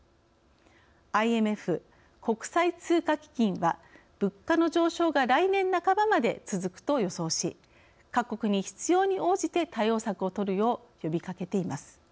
ＩＭＦ国際通貨基金は物価の上昇が来年半ばまで続くと予想し各国に必要に応じて対応策を取るよう呼びかけています。